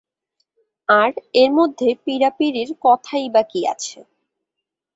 আর, এর মধ্যে পীড়াপীড়ির কথাই বা কী আছে।